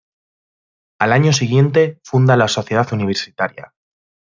Al año siguiente funda la Sociedad Universitaria.